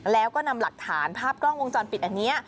แล้วก็นำหลักฐานภาพกล้องวงจรปิดอันนี้